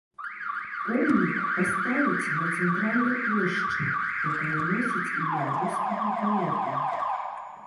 Помнік паставяць на цэнтральнай плошчы, якая носіць імя рускага паэта.